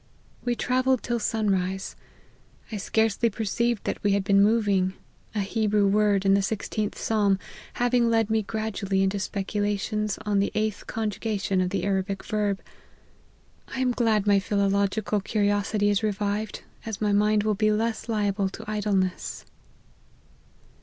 We travelled till sun rise. I scarcely perceived that we had been moving, a Hebrew word, in the 16th Psalm, having led me gradually into speculations on the eighth conjuga tion of the Arabic verb. I am glad my philological curiosity is revived, as my mind will be less liable to idleness.